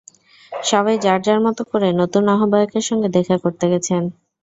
সবাই যাঁর যাঁর মতো করে নতুন আহ্বায়কের সঙ্গে দেখা করতে গেছেন।